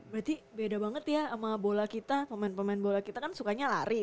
berarti beda banget ya sama bola kita pemain pemain bola kita kan sukanya lari